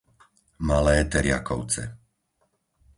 Malé Teriakovce